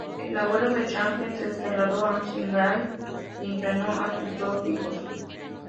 El abuelo de Zhang se trasladó a Shanghai y entrenó a sus dos hijos.